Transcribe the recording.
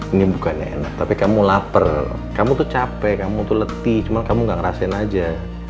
ini bukannya enak tapi kamu lapar kamu tuh capek kamu tuh letih cuma kamu gak ngerasain aja